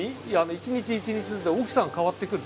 一日一日ずつで大きさが変わってくる。